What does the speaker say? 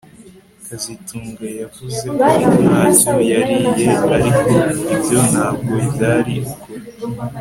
kazitunga yavuze ko ntacyo yariye ariko ibyo ntabwo byari ukuri